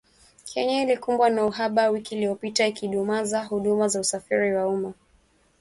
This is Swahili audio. Kenya ilikumbwa na uhaba wiki iliyopita, ikidumaza huduma za usafiri wa umma.